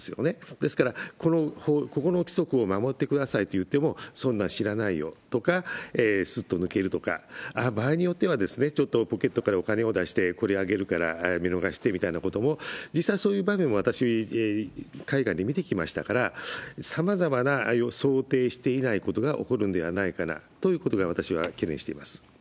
ですから、ここの規則を守ってくださいと言っても、そんなん知らないよとか、すっと抜けるとか、場合によっては、ちょっとポケットからお金を出して、これあげるから見逃してみたいなことも、実際、そういう場面も私、海外で見てきましたから、さまざまな予想を想定してないことが起こるのではないかなということを私は懸念しています。